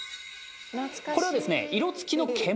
これはですね